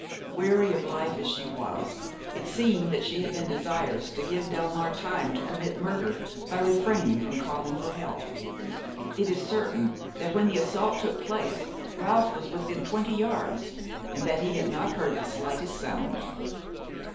Weary of life as she was, it seemed that she had been desirous to give Delmare time to commit murder by refraining from calling for help. It is certain that when the assault took place Ralph was within twenty yards, and that he had not heard the slightest sound.